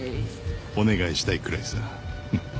お願いしたいくらいさ。